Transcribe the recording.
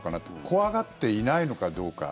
怖がっていないのかどうか。